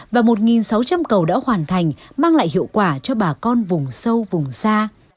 và một sáu trăm linh cầu đã hoàn thành mang lại hiệu quả cho bà con vùng sâu vùng xa